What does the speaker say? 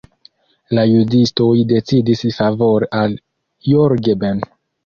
La juĝistoj decidis favore al Jorge Ben.